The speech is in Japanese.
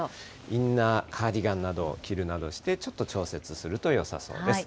インナー、カーディガンなどを着るなどして、ちょっと調節するとよさそうです。